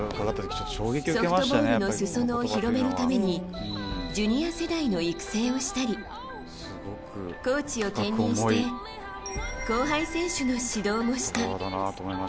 ソフトボールの裾野を広めるためにジュニア世代の育成をしたりコーチを兼任して後輩選手の指導もした。